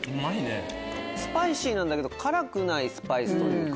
スパイシーなんだけど辛くないスパイスというか。